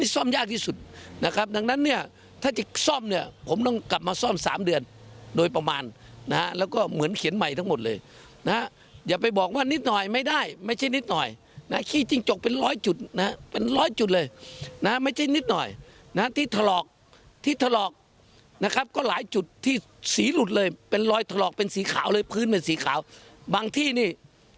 ซ่อมยากที่สุดนะครับดังนั้นเนี่ยถ้าจะซ่อมเนี่ยผมต้องกลับมาซ่อมสามเดือนโดยประมาณนะฮะแล้วก็เหมือนเขียนใหม่ทั้งหมดเลยนะฮะอย่าไปบอกว่านิดหน่อยไม่ได้ไม่ใช่นิดหน่อยนะขี้จิ้งจกเป็นร้อยจุดนะฮะเป็นร้อยจุดเลยนะไม่ใช่นิดหน่อยนะที่ถลอกที่ถลอกนะครับก็หลายจุดที่สีหลุดเลยเป็นรอยถลอกเป็นสีขาวเลยพื้นเป็นสีขาวบางที่นี่